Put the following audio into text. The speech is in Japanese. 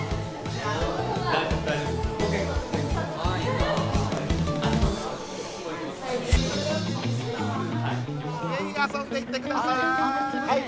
ぜひ遊んでいってください